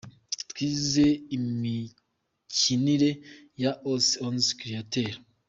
Twize imikinire ya As Onze Créateurs.